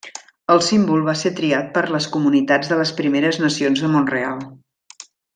El símbol va ser triat per les comunitats de les Primeres Nacions de Mont-real.